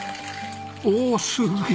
おおすげえ！